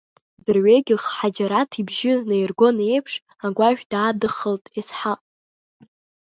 Дырҩегьых Ҳаџьараҭ ибжьы наиргон еиԥш, агәашә даадыххылт Есҳаҟ.